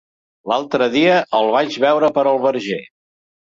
L'altre dia el vaig veure per el Verger.